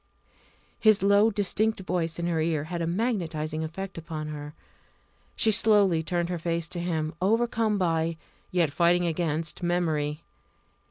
His low distinct voice in her ear had a magnetising effect upon her. She slowly turned her face to him, overcome by yet fighting against memory.